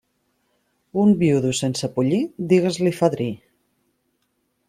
Un viudo sense pollí, digues-li fadrí.